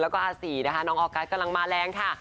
แล้วก็อาศีนะคะน้องออกัสกำลังมาแรงค่ะ